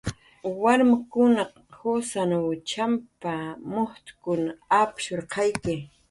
"Warmkunaq jusanw champ""a, mujcxkun apshurqayki"